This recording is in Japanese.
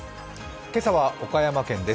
今朝は岡山県です。